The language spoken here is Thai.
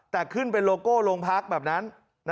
แต่ขึ้นเป็นโลโก้โรงพักแบบนั้น